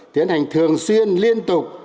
tiến hành thường xuyên liên tục